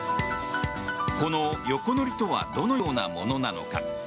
この横乗りとはどのようなものなのか。